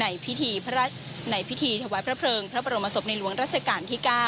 ในพิธีถวายพระเพลิงพระบรมศพในหลวงรัชกาลที่๙